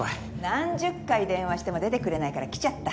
何十回電話しても出てくれないから来ちゃった。